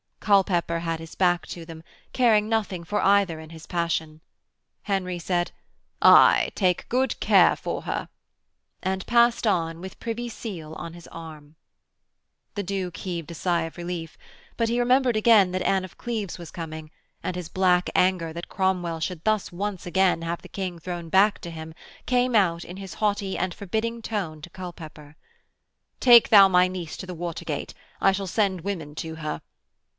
Culpepper had his back to them, caring nothing for either in his passion. Henry said: 'Aye, take good care for her,' and passed on with Privy Seal on his arm. The Duke heaved a sigh of relief. But he remembered again that Anne of Cleves was coming, and his black anger that Cromwell should thus once again have the King thrown back to him came out in his haughty and forbidding tone to Culpepper: 'Take thou my niece to the water gate. I shall send women to her.'